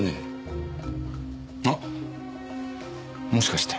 あっもしかして。